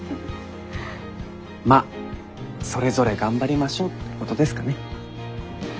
まあそれぞれ頑張りましょうってことですかね。